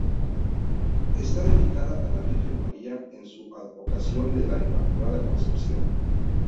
Esta dedicada a la Virgen María en su advocación de la Inmaculada Concepción.